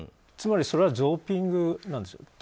つまりそれはドーピングなんですよ。